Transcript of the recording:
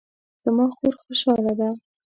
زما خور خوشحاله ده